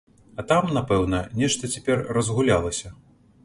А там, напэўна, нешта цяпер разгулялася.